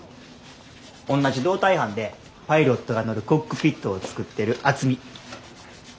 おんなじ胴体班でパイロットが乗るコックピットを作ってる渥美。